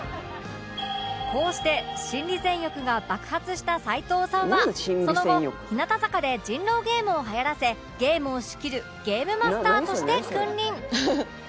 こうして心理戦欲が爆発した齊藤さんはその後日向坂で人狼ゲームをはやらせゲームを仕切るゲームマスターとして君臨